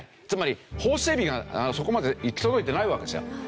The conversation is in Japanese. つまり法整備がそこまで行き届いてないわけですよ。